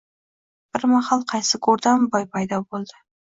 Bir mahal qaysi go‘rdan boy paydo bo‘ldi.